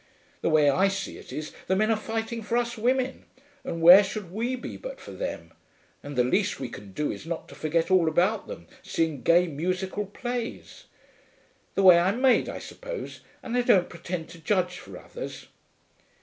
The way I see it is, the men are fighting for us women, and where should we be but for them, and the least we can do is not to forget all about them, seeing gay musical plays. The way I'm made, I suppose, and I don't pretend to judge for others.'